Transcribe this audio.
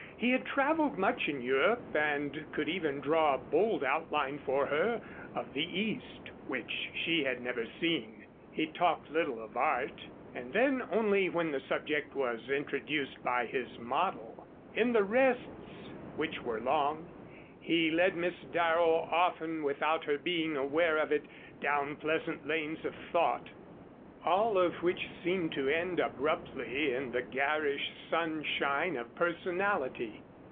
He had traveled much in Europe, and could even draw a bold outline for her of the East, which she had never seen. He talked little of art, and then only when the subject was introduced by his model. In the rests, which were long, he led Miss Darrow, often without her being aware of it, down pleasant lanes of thought, all of which seemed to end abruptly in the garish sunshine of personality.